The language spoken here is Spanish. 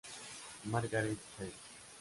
Margaret Hale.